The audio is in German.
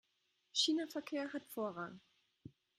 Schienenverkehr hat Vorrang.